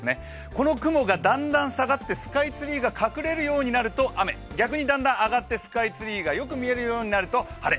この雲がだんだん下がってスカイツリーが隠れるようになると雨、逆にだんだん上がってスカイツリーがよく見えるようになると晴れ。